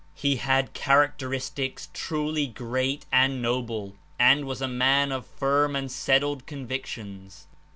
"He had characteristics truly great and noble, 53 and was a man of firm and settled convictions.